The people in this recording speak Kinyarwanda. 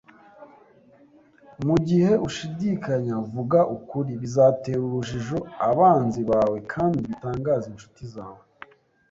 Mugihe ushidikanya vuga ukuri. Bizatera urujijo abanzi bawe kandi bitangaze inshuti zawe